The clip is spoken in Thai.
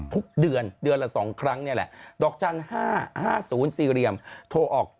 ทุกเดือนเดือนละ๒ครั้งนี่แหละดอกจันทร์๕๕๐สี่เหลี่ยมโทรออก